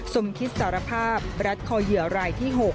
สมคิตสารภาพรัดคอเหยื่อรายที่๖